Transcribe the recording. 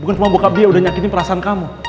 bukan semua bokap dia yang udah nyakitin perasaan kamu